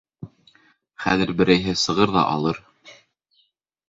Хәҙер берәйһе сығыр ҙа алыр.